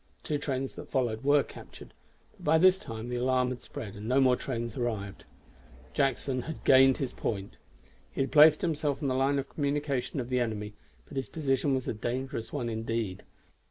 Two trains that followed were captured; but by this time the alarm had spread, and no more trains arrived. Jackson had gained his point. He had placed himself on the line of communication of the enemy, but his position was a dangerous one indeed.